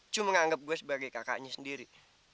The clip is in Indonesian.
cuma menganggap gue sebagai kakaknya sendiri